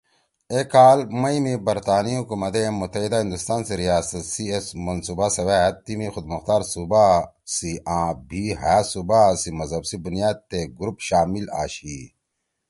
اے کال مئی می برطانی حکومت ئے متحدہ ہندوستان سی ریاست سی اے منصوبہ سوأد تیِمی خودمختار صوبا سی آں بھی ہأ صوبا سی مذہب سی بنیاد تے گروپ شامل آشی